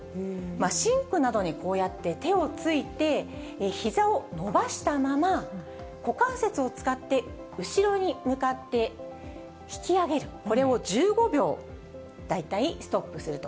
シンクなどにこうやって手をついてひざを伸ばしたまま、股関節を使って、後ろに向かって引き上げる、これを１５秒、大体ストップすると。